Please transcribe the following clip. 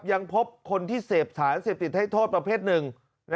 ยังพบคนที่เสพสารเสพติดให้โทษประเภทหนึ่ง